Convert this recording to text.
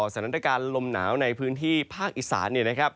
สถานการณ์ลมหนาวในพื้นที่ภาคอีสาน